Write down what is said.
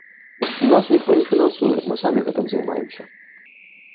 Нас ніхто не фінансуе, мы самі гэтым займаемся.